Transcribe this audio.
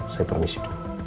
saya permisi dulu